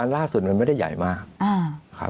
ล่าสุดมันไม่ได้ใหญ่มาก